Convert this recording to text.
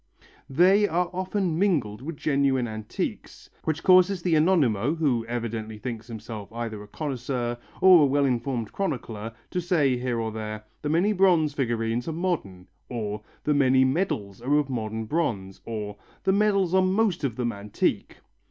They are often mingled with genuine antiques, which fact causes the Anonimo, who evidently thinks himself either a connoisseur or a well informed chronicler, to say here and there, "the many bronze figurines are modern," or "the many medals are of modern bronze," or "the medals are most of them antique."